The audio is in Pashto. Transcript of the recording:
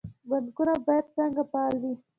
بانکونه باید څنګه فعال وي؟